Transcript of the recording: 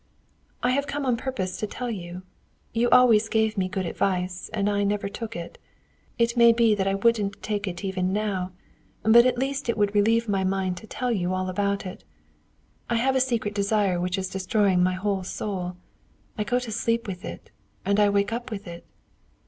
"I have come on purpose to tell you. You always gave me good advice, and I never took it. It may be that I wouldn't take it even now; but at least it would relieve my mind to tell you all about it. I have a secret desire which is destroying my whole soul: I go to sleep with it, and I wake up with it."